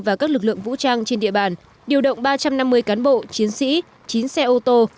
và các lực lượng vũ trang trên địa bàn điều động ba trăm năm mươi cán bộ chiến sĩ chín xe ô tô